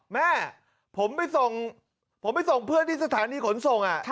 แม่ผมไปส่งผมไปส่งเพื่อนที่สถานีขนส่ง